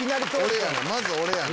まず俺やな。